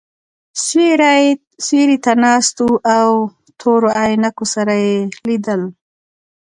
سیوري ته ناست وو او تورو عینکو سره یې لیدل.